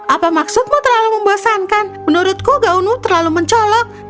apa maksudmu terlalu membosankan menurutku gaunu terlalu mencolok